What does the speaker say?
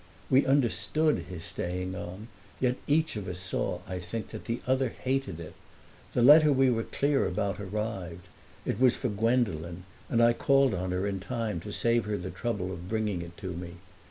We understood his staying on, and yet each of us saw, I think, that the other hated it. The letter we were clear about arrived; it was for Gwendolen, and I called on her in time to save her the trouble of bringing it to me.